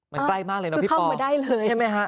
มันใกล้มากเลยนะพี่ปอล์ใช่ไหมครับคือเข้ามาได้เลย